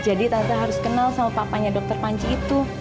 jadi tante harus kenal sama papanya dokter panji itu